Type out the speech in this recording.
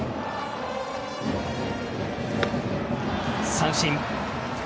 三振。